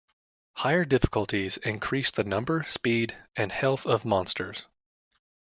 Higher difficulties increase the number, speed, and health of monsters.